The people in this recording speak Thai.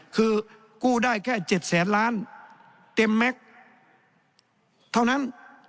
คือกู้ได้แค่๗แสนล้านเต็มแม็กซ์เท่านั้น